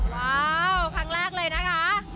ว้าวครั้งแรกเลยนะคะ